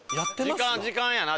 時間時間やな。